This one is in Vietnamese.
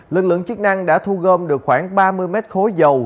lực lượng chức năng đã thu gom được khoảng ba mươi mét khối dầu